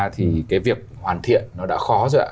thì cái việc hoàn thiện nó đã khó rồi ạ